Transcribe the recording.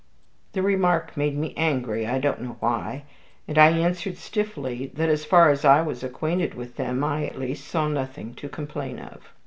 The remark made me angry, I don't know why, and I answered stiffly, that as far as I was acquainted with them, I at least saw nothing to complain of.